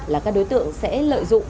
là các đối tượng sẽ lợi dụng